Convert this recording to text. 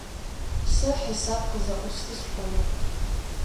Сэ хьисап къызэӏусхы сшӏоигъу.